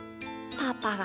パパが？